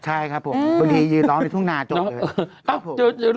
ใช่ครับผมบางทียืนร้องในทุ่งนาจมเลย